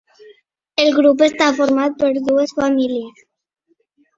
El grup està format per dues famílies.